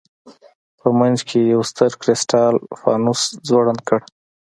په منځ کې یې یو ستر کرسټال فانوس ځوړند کړ.